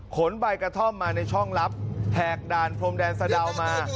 ใบกระท่อมมาในช่องลับแหกด่านพรมแดนสะดาวมา